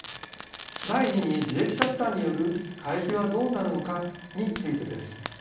第二に受益者負担による会費はどうなるのかについてです。